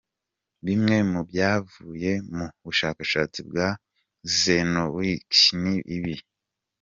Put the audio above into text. Bimwe mubyavuye mu bushakashatsi bwa Czekanowski ni ibi :.